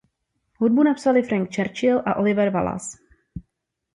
Hudbu napsali Frank Churchill a Oliver Wallace.